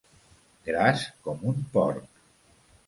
Gras com un porc.